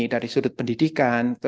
dari sudut pendidikan